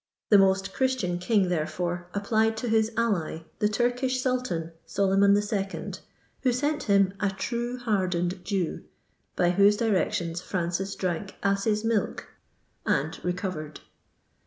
The most Christian king, therefore, applied to his ally, the Turkish sultan, Solyman II., who sent him "a true hardened Jew," by whose directions Francis drank asses' milk and re covered.